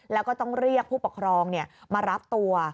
แล้วก็ต้องเรียกผู้ปกครองมารับตัว